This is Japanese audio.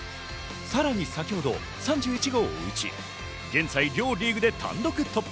さらに先ほど３１号を打ち、現在両リーグで単独トップ。